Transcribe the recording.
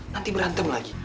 nanti berantem lagi